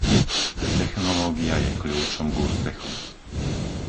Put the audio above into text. Technológia je kľúčom k úspechu.